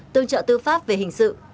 tương trợ tư pháp về hình sự